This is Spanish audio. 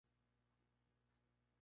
Frases de Desprecio